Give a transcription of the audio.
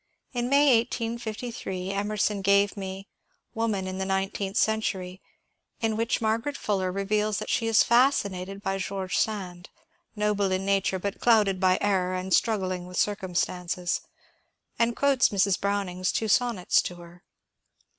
In May, 1858, Emerson gave me " Woman in the Nineteenth Century," in which Margaret Fuller reveals that she is fascinated by Greorge Sand (^^ noble in nature, but clouded by error, and struggling with circum stances") and quotes Mrs. Browning's two sonnets to her.